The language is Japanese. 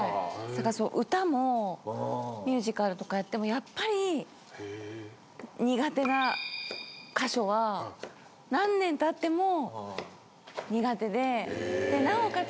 歌もミュージカルとかやってもやっぱり苦手な箇所は何年たっても苦手でなおかつ